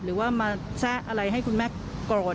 หรือว่ามาแซะอะไรให้คุณแม่โกรธ